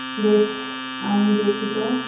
বেশ, দেখি তো।